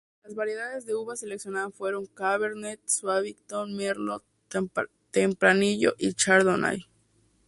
Las variedades de uva seleccionadas fueron: Cabernet Sauvignon, Merlot, Tempranillo y Chardonnay.